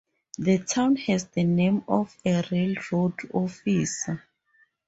The town has the name of a railroad officer.